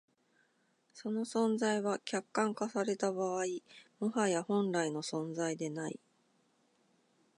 その存在は、客観化された場合、もはや本来の存在でない。